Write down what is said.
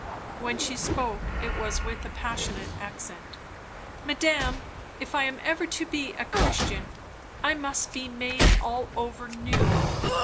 When she spoke, it was with a passionate accent. "Madame, if I am ever to be a Christian, I must be made all over new!"